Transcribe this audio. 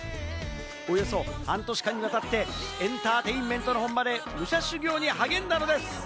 およそ半年間にわたって、エンターテインメントの本場で武者修行に励んだのです。